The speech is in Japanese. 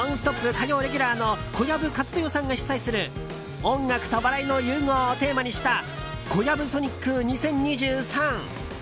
火曜レギュラーの小籔千豊さんが主宰する音楽と笑いの融合をテーマにした「ＫＯＹＡＢＵＳＯＮＩＣ２０２３」。